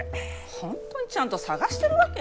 本当にちゃんと探してるわけ？